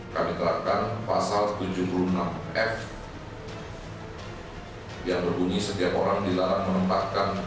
kami terapkan pasal tujuh puluh enam f yang berbunyi setiap orang dilarang menempatkan